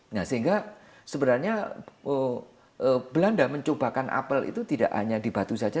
nah sehingga sebenarnya belanda mencobakan apel itu tidak hanya di batu saja